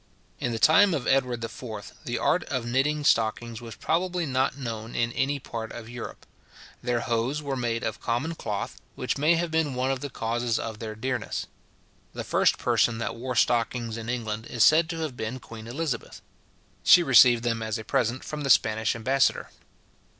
In the time of Edward IV. the art of knitting stockings was probably not known in any part of Europe. Their hose were made of common cloth, which may have been one of the causes of their dearness. The first person that wore stockings in England is said to have been Queen Elizabeth. She received them as a present from the Spanish ambassador.